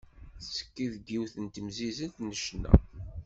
Tettekki deg yiwet n temzizelt n ccna.